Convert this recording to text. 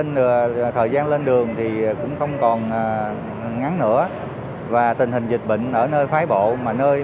nên thời gian lên đường thì cũng không còn ngắn nữa và tình hình dịch bệnh ở nơi phái bộ mà nơi